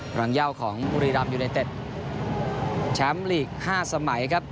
หลังย่าวของบุรีรัมย์ยูในเต็ดแชมป์ลีกห้าสมัยครับ